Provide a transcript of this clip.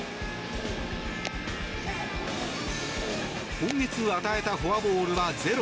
今月、与えたフォアボールは０。